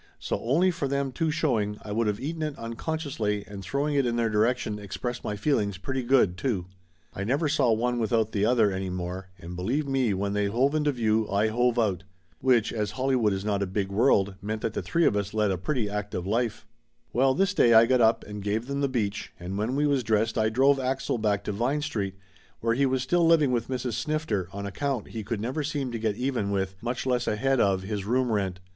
So only for them two show ing, I would of eaten it unconsciously, and throwing it in their direction expressed my feelings pretty good, too. I never saw one without the other any more, and believe me when they hove into view I hove out. Which, as Hollywood is not a big world, meant that the three of us led a pretty active life. Well, this day I got up and gave them the beach, and when we was dressed I drove Axel back to Vine Street, where he was still living with Mrs. Snifter on account he could never seem to get even with, much less ahead, of his room rent.